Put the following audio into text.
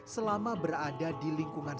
selama berada di lingkungan